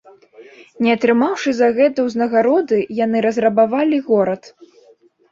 Не атрымаўшы за гэта ўзнагароды, яны разрабавалі горад.